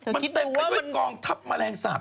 มันเต็มไปด้วยกองทัพแมลงสาป